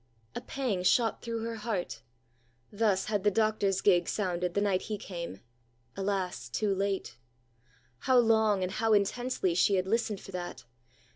A pang shot through her heart. Thus had the doctor's gig sounded the night he came,—alas, too late! How long and how intensely she had listened for that!